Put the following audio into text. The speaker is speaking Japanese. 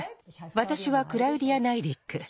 わたしはクラウディア・ナイディック。